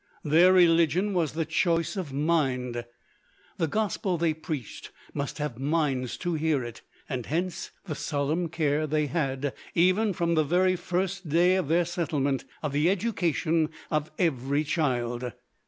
Their religion was the choice of mind. The gospel they preached must have minds to hear it; and hence the solemn care they had, even from the first day of their settlement, of the education of every child.